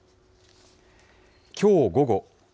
きょう午後。